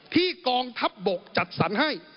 กองทัพบกจัดสรรให้